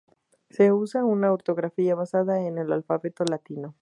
Se usa una ortografía basada en el alfabeto latino.